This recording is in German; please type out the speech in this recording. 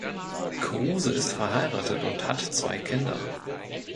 Kruse ist verheiratet und hat zwei Kinder.